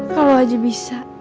kalau aja bisa